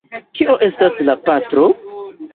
Kio estas la patro?